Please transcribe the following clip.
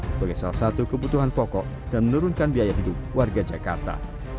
sebagai salah satu kebutuhan pokok dan menurunkan biaya hidup warga jakarta